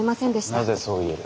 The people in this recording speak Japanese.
なぜそう言える。